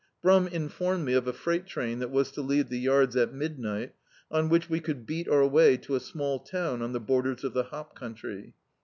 Brum informed me of a freight train that was to leave the yards at midnight, on which we could beat our way to a small town on the borders of the hop country.